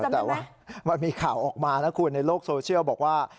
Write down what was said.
แต่ว่ามันมีข่าวออกมานะคุณในโลกโซเชียลบอกว่า